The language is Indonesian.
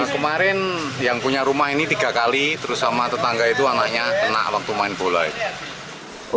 kemarin yang punya rumah ini tiga kali terus sama tetangga itu anaknya kena waktu main bola itu